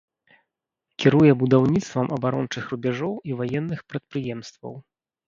Кіруе будаўніцтвам абарончых рубяжоў і ваенных прадпрыемстваў.